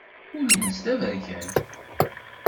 Ul-nnes d aberkan.